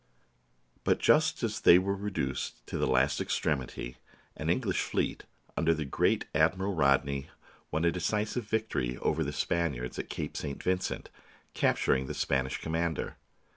But just as they were reduced to the last extrem ity, an English fleet, under the great Admiral Rod ney, won a decisive victory over the Spaniards at Cape St. Vincent, capturing the Spanish com mander.